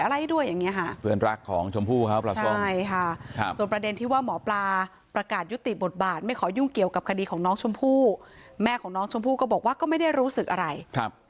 อะไรด้วยอย่างนี้ค่ะเพื่อนรักของชมพู่ครับ